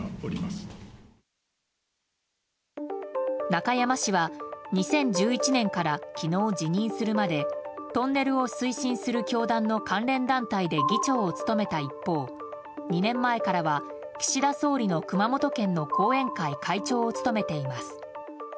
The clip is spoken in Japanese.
中山氏は、２０１１年から昨日辞任するまでトンネルを推進する教団の関連団体で議長を務めた一方２年前からは岸田総理の熊本県の後援会会長を務めています。